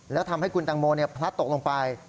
แล้วทำให้คุณตังโมพลัดตกลงไป